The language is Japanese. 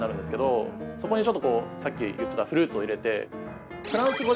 そこにちょっとこうさっき言ってたフルーツを入れて。